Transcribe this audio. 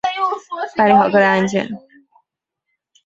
办理好各类案件